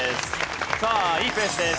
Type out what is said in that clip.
さあいいペースです。